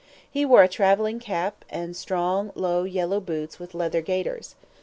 He wore a traveling cap, and strong, low, yellow boots with leather gaiters.